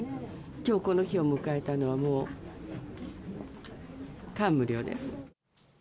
きょうこの日を迎えたのは、もう感無量です。